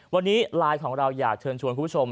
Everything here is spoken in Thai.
วันนี้ไลน์ของเราอยากเชิญชวนคุณผู้ชม